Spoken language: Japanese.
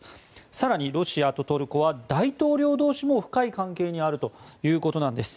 更にロシアとトルコは大統領同士も深い関係にあるということなんです。